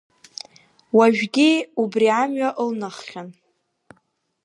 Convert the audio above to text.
Уажәгьы убри амҩа ылнаххьан.